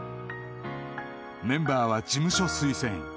［メンバーは事務所推薦］